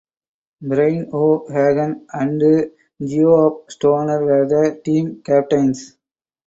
Brian O’Hagan and Geoff Stoner were the team captains.